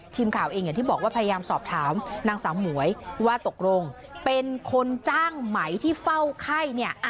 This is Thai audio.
ทีมข่าวเองอย่างที่บอกว่าพยายามสอบถามนางสาวหมวยว่าตกลงเป็นคนจ้างไหมที่เฝ้าไข้เนี่ย